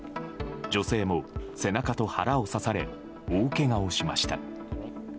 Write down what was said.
女性も背中と腹を刺され大けがをしました。